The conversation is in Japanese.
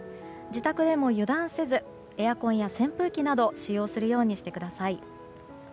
自宅でも油断せずエアコンや扇風機など使用するようにしてください。